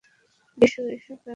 বিশু, এসব কেন করছো?